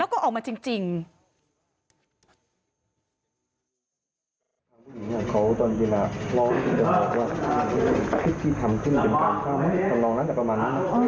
แน่นอนนะครับเพราะรู้ตั้งแต่เมื่อวาน